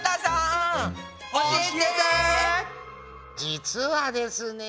実はですね